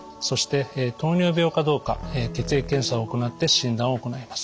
そして糖尿病かどうか血液検査を行って診断を行います。